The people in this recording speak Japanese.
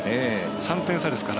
３点差ですから。